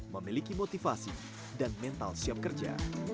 memiliki motivasi dan mental siap kerja